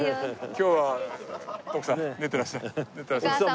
今日は徳さん寝てらっしゃらない。